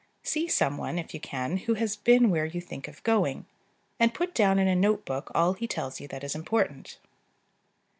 See some one, if you can, who has been where you think of going, and put down in a note book all he tells you that is important.